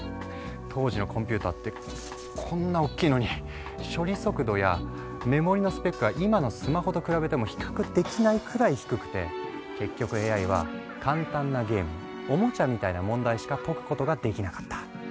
当時のコンピューターってこんなおっきいのに処理速度やメモリのスペックは今のスマホと比べても比較できないくらい低くて結局ＡＩは簡単なゲームおもちゃみたいな問題しか解くことができなかった。